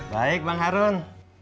baik bang harun